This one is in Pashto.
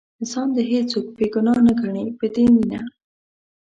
ځان دې هېڅوک بې ګناه نه ګڼي په دې مینه.